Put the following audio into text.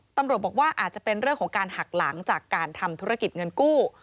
ตำรวจบอกว่าอาจจะเป็นเรื่องของการหักหลังจากการทำธุรกิจเงินกู้